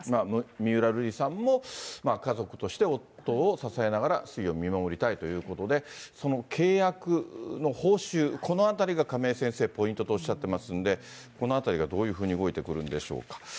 三浦瑠麗さんも、家族として夫を支えながら推移を見守りたいということで、その契約の報酬、このあたりが亀井先生、ポイントとおっしゃってますんで、このあたりがどういうふうに動いてくるんでしょうか。